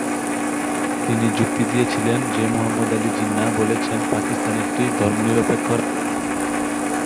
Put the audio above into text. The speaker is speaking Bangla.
তিনি যুক্তি দিয়েছিলেন যে মুহাম্মদ আলী জিন্নাহ বলেছেন পাকিস্তান একটি ধর্মনিরপেক্ষ রাষ্ট্র হবে।